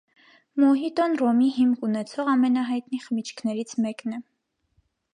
Մոհիտոն ռոմի հիմք ունեցող ամենահայտնի խմիչքներից մեկն է։